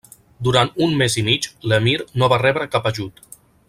Durant un mes i mig l'emir no va rebre cap ajut.